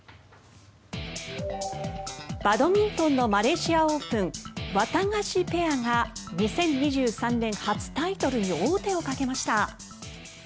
バドミントンのマレーシア・オープンワタガシペアが２０２３年初タイトルに王手をかけました。